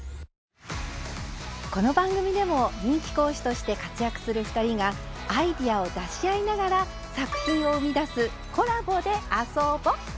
この番組でも人気講師として活躍する２人がアイデアを出し合いながら作品を生み出す「コラボで遊ぼ！」。